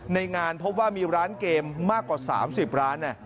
ในงานพบว่ามีร้านเกมมากกว่า๓๐ร้าน